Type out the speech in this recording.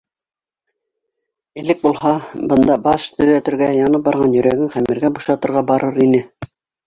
Элек булһа, ул бында баш төҙәтергә, янып барған йөрәген хәмергә бушатырға барыр ине.